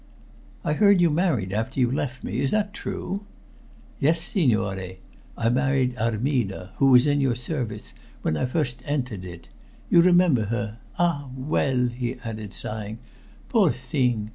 "I heard you married after you left me. Is that true?" "Yes, signore. I married Armida, who was in your service when I first entered it. You remember her? Ah, well!" he added, sighing. "Poor thing!